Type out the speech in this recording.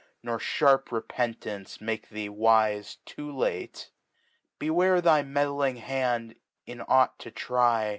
Nor iharp Repeiit^rtcc maike thee wife too late. .Beware thy meddling Hand in ought to try.